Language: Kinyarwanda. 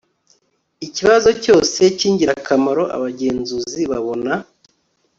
ikibazo cyose cy ingirakamaro abagenzuzi babona